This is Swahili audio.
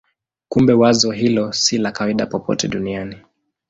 Kumbe wazo hilo si la kawaida popote duniani.